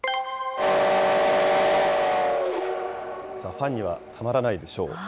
ファンにはたまらないでしょう。